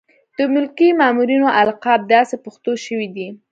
د ملکي مامورینو القاب داسې پښتو شوي دي.